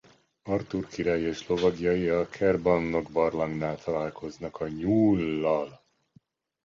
Artúr király és lovagjai a Caerbannog-barlangnál találkoznak a nyúllal.